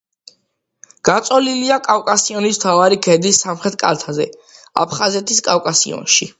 გაწოლილია კავკასიონის მთავარი ქედის სამხრეთ კალთაზე, აფხაზეთის კავკასიონში.